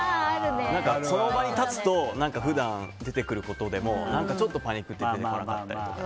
その場に立つと普段出てくることでもちょっとパニくって出なかったりとか。